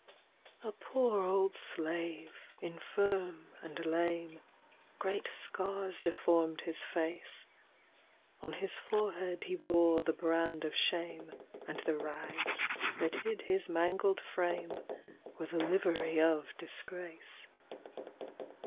A poor old slave, infirm and lame; Great scars deformed his face; On his forehead he bore the brand of shame, And the rags, that hid his mangled frame, Were the livery of disgrace.